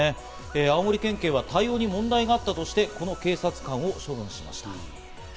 青森県警は対応に問題があったとして、この警察官を処分しました。